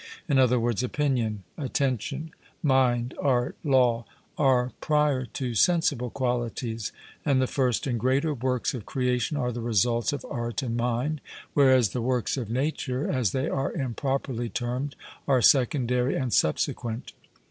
In other words, opinion, attention, mind, art, law, are prior to sensible qualities; and the first and greater works of creation are the results of art and mind, whereas the works of nature, as they are improperly termed, are secondary and subsequent.